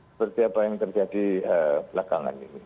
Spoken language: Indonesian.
seperti apa yang terjadi belakangan ini